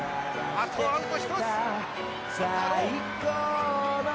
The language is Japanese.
あとアウト１つ。